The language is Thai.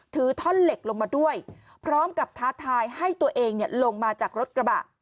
ถือท่อนเหล็กลงมาด้วยพร้อมกับท้าทายให้ตัวเองลงมาจากรถกระบะ